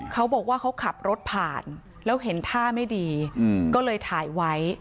เขาบอกว่าเขาขับรถผ่านแล้วเห็นท่าไม่ดีก็เลยถ่ายไว้